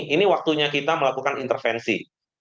ini waktunya kita melakukan intervensi